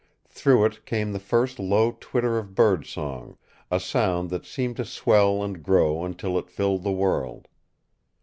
Through it came the first low twitter of birdsong, a sound that seemed to swell and grow until it filled the world.